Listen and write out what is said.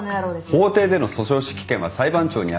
「法廷での訴訟指揮権は裁判長にある」